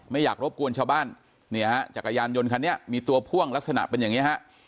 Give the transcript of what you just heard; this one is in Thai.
ไม่อยากรบกวนชาวบ้านเนี่ยฮะจักรยานยนต์คันนี้มีตัวพ่วงลักษณะเป็นอย่างนี้ฮะ